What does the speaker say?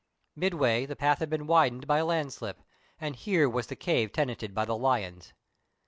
Midway the path had been widened by a landslip, and here was the cave tenanted by the lions.